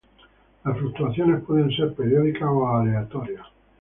Las fluctuaciones pueden ser periódicas o aleatorias.